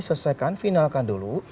selesaikan final kan dulu